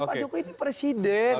pak jokowi ini presiden